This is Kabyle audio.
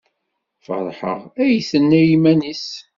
Feṛḥeɣ, ay tenna i yiman-nnes.